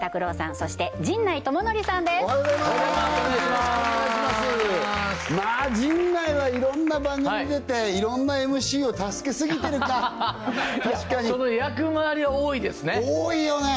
まあ陣内はいろんな番組出ていろんなＭＣを助けすぎてるかいやその役回りは多いですね多いよね！